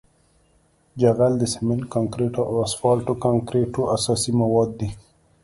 جغل د سمنټ کانکریټو او اسفالټ کانکریټو اساسي مواد دي